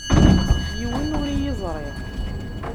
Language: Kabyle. Yiwen ur iyi-yeẓri.